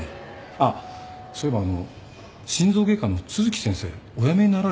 あっそういえばあの心臓外科の都築先生お辞めになられたんですね。